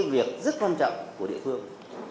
việc rất quan trọng của địa phương